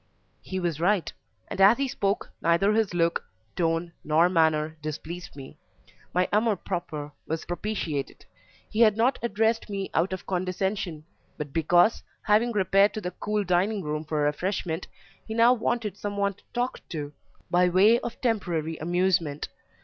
He was right, and as he spoke neither his look, tone, nor manner displeased me; my AMOUR PROPRE was propitiated; he had not addressed me out of condescension, but because, having repaired to the cool dining room for refreshment, he now wanted some one to talk to, by way of temporary amusement.